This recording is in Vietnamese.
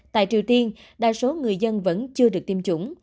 tại triều tiên đa số người dân vẫn chưa được tiêm chủng